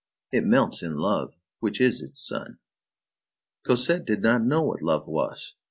It melts in love, which is its sun. Cosette did not know what love was.